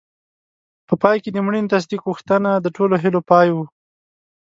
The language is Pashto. په پای کې د مړینې تصدیق غوښتنه د ټولو هیلو پای و.